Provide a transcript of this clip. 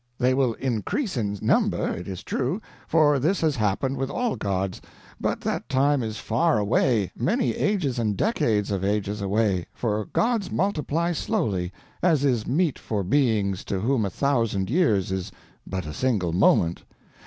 They will increase in number, it is true, for this has happened with all gods, but that time is far away, many ages and decades of ages away, for gods multiply slowly, as is meet for beings to whom a thousand years is but a single moment.